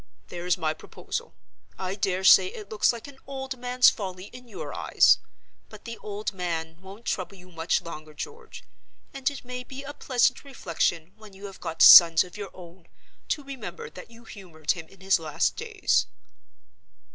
There is my proposal. I dare say it looks like an old man's folly, in your eyes. But the old man won't trouble you much longer, George; and it may be a pleasant reflection, when you have got sons of your own, to remember that you humored him in his last days."